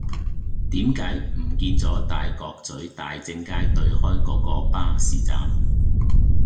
點解唔見左大角咀大政街對開嗰個巴士站